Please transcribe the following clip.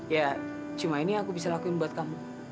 ya cuma ini aku bisa lakuin buat kamu